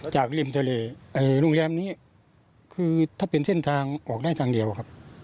ริมทะเลโรงแรมนี้คือถ้าเป็นเส้นทางออกได้ทางเดียวครับ